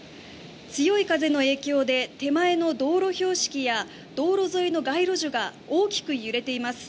強い風の影響で手前の道路標識や道路沿いの街路樹が大きく揺れています。